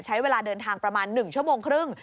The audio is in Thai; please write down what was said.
ใช้เวลาเดินทางประมาณ๑ชั่วโมงครึ่ง